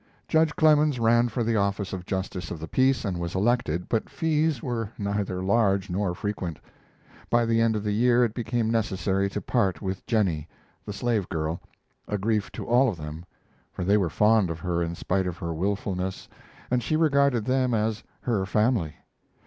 Judge Clemens ran for the office of justice of the peace and was elected, but fees were neither large nor frequent. By the end of the year it became necessary to part with Jennie, the slave girl a grief to all of them, for they were fond of her in spite of her wilfulness, and she regarded them as "her family."